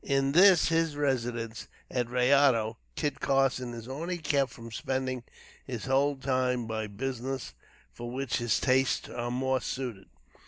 In this his residence at Rayado, Kit Carson is only kept from spending his whole time by business for which his tastes are more suited.